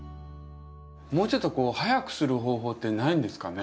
もうちょっと早くする方法ってないんですかね？